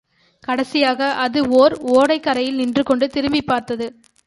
கடைசியாக அது ஓர் ஓடைக் கரையில் நின்றுகொண்டு திரும்பிப் பார்த்தது.